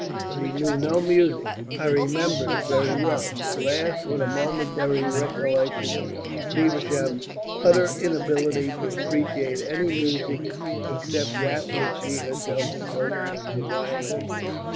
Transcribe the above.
But he knew no music I remember very well." She laughed with a momentary recollection of Feversham's utter inability to appreciate any music except that which she herself evoked from her violin.